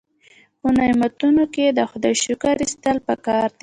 په نعمتونو کې د خدای شکر ایستل پکار دي.